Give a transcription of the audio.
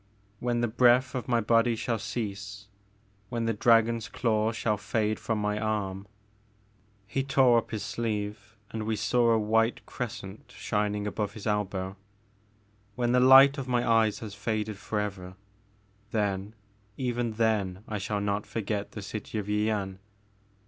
When the breath of my body shall cease, when the dragon's claw shall fade from my arm," — ^he The Maker of Moons. 59 tore up his sleeve, and we saw a white crescent shining above his elbow, — when the light of my eyes has fiaded forever, then, even then I shall not forget the city of Yian.